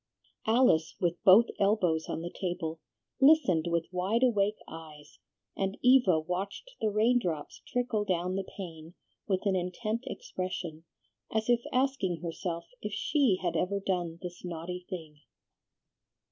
Alice, with both elbows on the table, listened with wide awake eyes, and Eva watched the raindrops trickle clown the pane with an intent expression, as if asking herself if she had ever done this naughty thing.